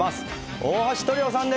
大橋トリオさんです。